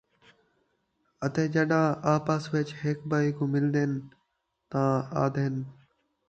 اَتے ڄَݙاں آپس وِچ ہِک ٻِئے کُوں مِلدن، تاں آہدن،